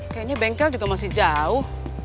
kayaknya bengkel juga masih jauh